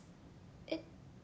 えっ？